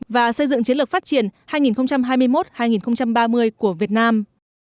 và xây dựng chiến lược phát triển hai nghìn hai mươi một hai nghìn ba mươi của việt nam